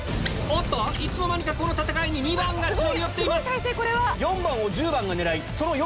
いつの間にかこの戦いに２番が忍び寄っています。